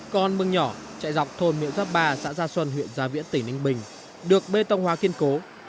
con mương nhỏ chạy dọc thôn miễu tháp ba xã gia xuân huyện gia viễn tỉnh ninh bình được bê tông hóa kiên cố